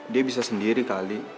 dia bisa sendiri kali